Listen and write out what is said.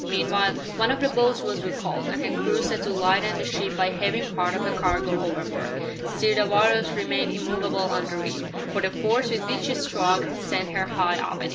Meanwhile one of the boats was recalled, and her crew set to lighten the ship by heaving part of the cargo overboard. Still the Walrus remained immovable on the reef, for the force with which she struck had sent her high upon it.